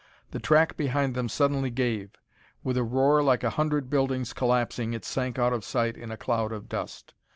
The track behind them suddenly gave. With a roar like a hundred buildings collapsing, it sank out of sight in a cloud of dust.